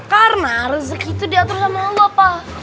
karena rezeki itu diatur sama allah pak